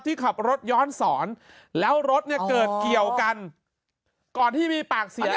ที่ขับรถย้อนสอนแล้วรถเนี่ยเกิดเกี่ยวกันก่อนที่มีปากเสียง